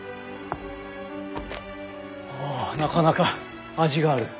ああなかなか味がある。